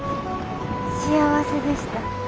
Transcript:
幸せでした。